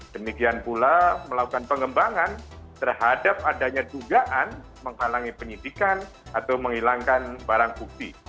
demikian pula melakukan pengembangan terhadap adanya dugaan menghalangi penyidikan atau menghilangkan barang bukti